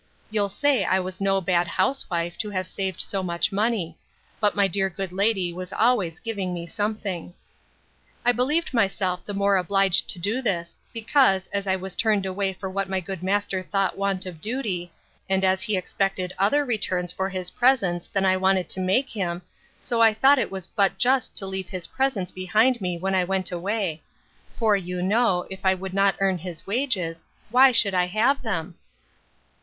You'll say I was no bad housewife to have saved so much money; but my dear good lady was always giving me something. I believed myself the more obliged to do this, because, as I was turned away for what my good master thought want of duty; and as he expected other returns for his presents, than I intended to make him, so I thought it was but just to leave his presents behind me when I went away; for, you know, if I would not earn his wages, why should I have them?